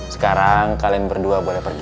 sekarang kalian berdua boleh pergi